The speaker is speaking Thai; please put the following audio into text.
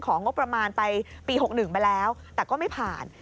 งบประมาณไปปี๖๑ไปแล้วแต่ก็ไม่ผ่าน